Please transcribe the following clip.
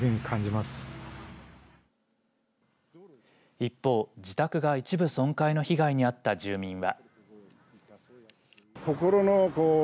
一方、自宅が一部損壊の被害にあった住民は。